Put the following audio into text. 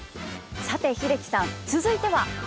さて英樹さん続いては？